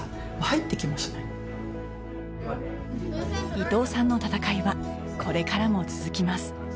伊藤さんの戦いはこれからも続きます